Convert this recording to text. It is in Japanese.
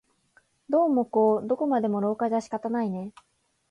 どうもこうどこまでも廊下じゃ仕方ないね